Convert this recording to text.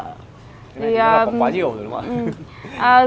cái này có quá nhiều rồi đúng không ạ